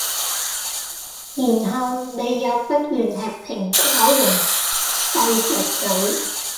然後你又不願吃蘋果茸，閉著咀